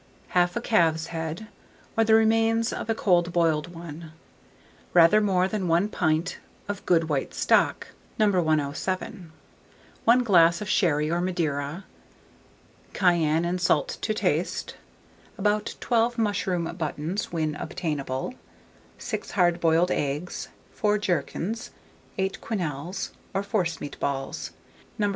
Half a calf's head, or the remains of a cold boiled one; rather more than 1 pint of good white stock, No. 107, 1 glass of sherry or Madeira, cayenne and salt to taste, about 12 mushroom buttons (when obtainable), 6 hard boiled eggs, 4 gherkins, 8 quenelles or forcemeat balls, No.